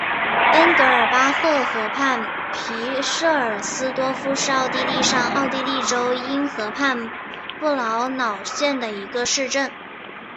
恩格尔巴赫河畔皮舍尔斯多夫是奥地利上奥地利州因河畔布劳瑙县的一个市镇。